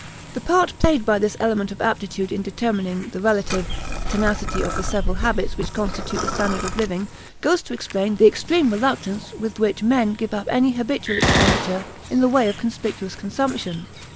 The part played by this element of aptitude in determining the relative tenacity of the several habits which constitute the standard of living goes to explain the extreme reluctance with which men give up any habitual expenditure in the way of conspicuous consumption.